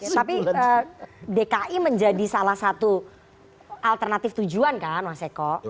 tapi dki menjadi salah satu alternatif tujuan kan mas eko